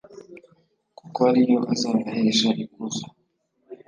kuko ari yo azabahesha ikuzo